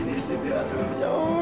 di sini sini aduh